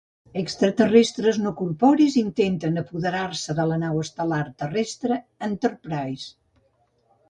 Extraterrestres no corporis intenten apoderar-se de la nau estel·lar terrestre "Enterprise".